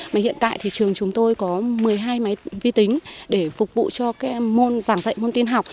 mà hiện tại thì trường chúng tôi có một mươi hai máy vi tính để phục vụ cho môn giảng dạy môn tin học